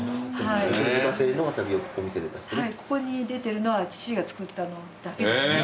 ここに出てるのは父が作ったのだけですね。